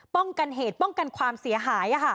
กันเหตุป้องกันความเสียหาย